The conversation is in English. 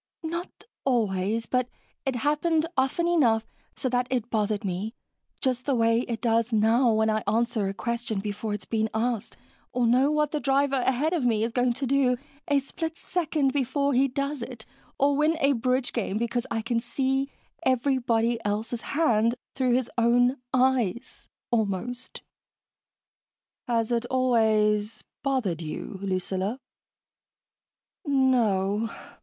Not always but it happened often enough so that it bothered me, just the way it does now when I answer a question before it's been asked, or know what the driver ahead of me is going to do a split second before he does it, or win a bridge game because I can see everybody else's hand through his own eyes, almost." "Has it always ... bothered you, Lucilla?" "No o o o."